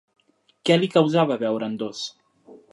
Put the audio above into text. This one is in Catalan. Què li causava veure'n dos?